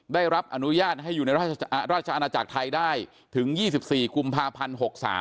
ได้รับอนุญาตให้อยู่ในราชอาณาจักรไทยได้ถึง๒๔กุมภาพันธ์๖๓